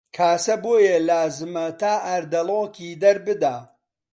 کاسە بۆیە لازمە تا ئاردەڵۆکی دەربدا